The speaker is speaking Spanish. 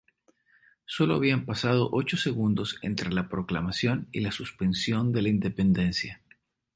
Sólo habían pasado ocho segundos entre la proclamación y la suspensión de la independencia.